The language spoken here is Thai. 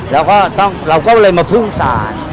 แล้วเราก็เราก็ต้องเราก็เลยมาพึ่งศาล